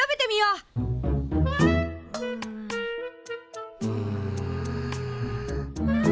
うん。